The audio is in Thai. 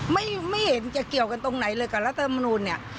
ไม่เห็นจะเกี่ยวกันตรงไหนเลยกับรัฐมนูลเนี่ย